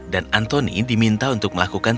dan anthony diminta untuk melakukan tugasnya